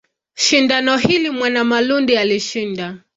Shindano hili Mwanamalundi alishinda.